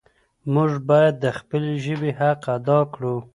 موږ باید د خپلې ژبې حق ادا کړو.